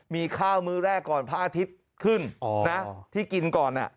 มีข้าวมื้อแรกก่อนพระอาทิตย์ขึ้นนะที่กินก่อน